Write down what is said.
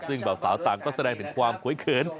ซึ่งเบาสาวต่างก็แสดงถึงความขวยเขิน